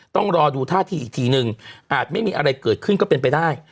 ต้องรอดูท่าทีอีกทีนึงอาจไม่มีอะไรเกิดขึ้นก็เป็นไปได้